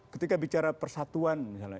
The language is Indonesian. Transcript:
ketika bicara persatuan misalnya